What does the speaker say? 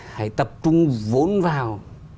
hãy tập trung vốn vào